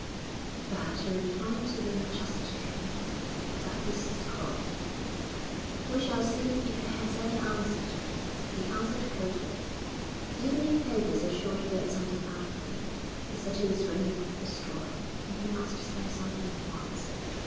'Perhaps you're inclined to be unjust to him,' said Mrs. Crowley. 'We shall see if he has any answer to make,' he answered coldly. 'The evening papers are sure to get something out of him. The city is ringing with the story, and he must say something at once.'